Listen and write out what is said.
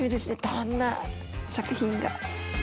どんな作品が。